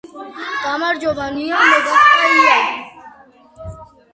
გამარჯობა ნია მოგახტა ია